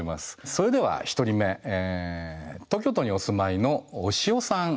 それでは１人目東京都にお住まいのおしおさん